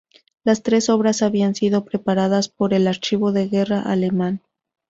Las tres obras habían sido preparadas por el Archivo de Guerra alemán.